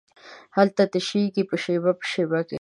هلته تشېږې په شیبه، شیبه کې